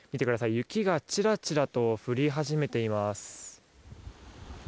雪がちらちらと降り始めています。